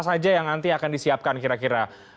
saja yang nanti akan disiapkan kira kira